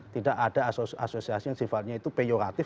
tidak ada asosiasi yang sifatnya itu peyoratif